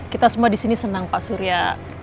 kita semua di sini senang pak surya